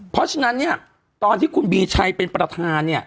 เพราะฉะนั้นเนี่ยตอนที่คุณบีชัยเป็นประธานเนี่ย